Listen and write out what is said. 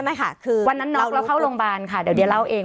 ไม่ค่ะคือวันนั้นน็อกแล้วเข้าโรงพยาบาลค่ะเดี๋ยวเล่าเอง